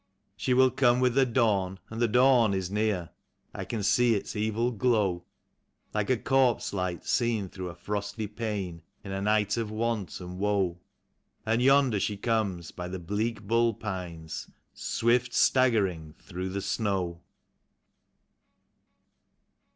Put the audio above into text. She will come with the dawn, and the dawn is near; I can see its evil glow, Like a corpse light seen through a frosty pane in a night of want and woe; And yonder she comes, by the bleak bull pines, swift staggering through the snow.